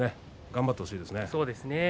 頑張ってほしいですね。